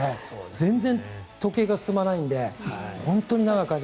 全然時計が進まないので本当に長く感じた。